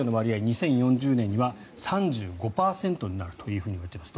２０４０年には３５％になるといわれています。